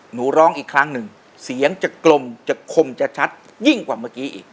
หนูร้องอีกครั้งหนึ่งเสียงจะกลมจะคมจะชัดยิ่งกว่าเมื่อกี้อีก